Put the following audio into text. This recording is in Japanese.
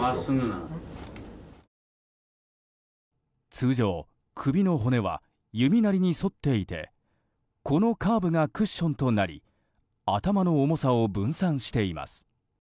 通常、首の骨は弓なりに反っていてこのカーブがクッションとなり頭の重さを分散しています。